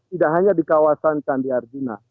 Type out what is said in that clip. tidak hanya di kawasan kandiarjuna